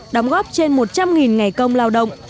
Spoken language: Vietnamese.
đóng góp trên một trăm linh ngày công lao động